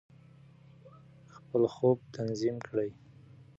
خپل خوب تنظیم کړئ.